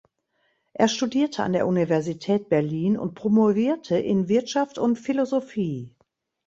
Er studierte an der Universität Berlin und promovierte in Wirtschaft und Philosophie.